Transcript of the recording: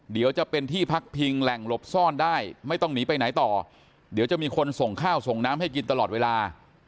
เดี๋ยวจะเป็นที่พักพิงแหล่งหลบซ่อนได้ไม่ต้องหนีไปไหนต่อเดี๋ยวจะมีคนส่งข้าวส่งน้ำให้กินตลอดเวลา